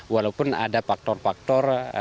walaupun ada faktor faktor